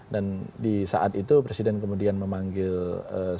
dan di saat itu presiden kemudian memanggil saya